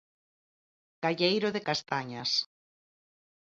Calleiro de castañas.